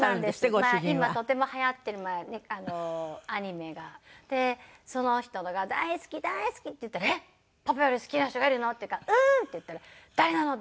今とても流行ってるアニメがあってその人が「大好き大好き」って言ったら「えっパパより好きな人がいるの？」って言うから「うん！」って言ったら「誰なの？